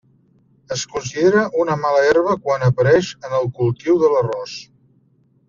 Es considera una mala herba quan apareix en el cultiu de l'arròs.